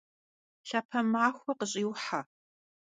Lhape maxue khış'ıuhe!